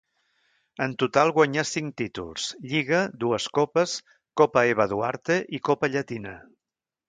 En total guanyà cinc títols, Lliga, dues Copes, Copa Eva Duarte i Copa Llatina.